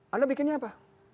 anda bikinnya apa